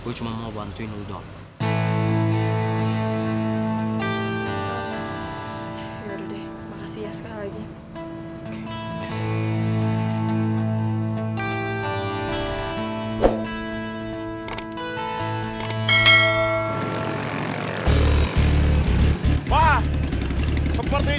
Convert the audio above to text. gua cuma mau bantuin udon